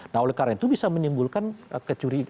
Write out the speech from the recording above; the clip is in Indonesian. nah oleh karena itu bisa menimbulkan kecurigaan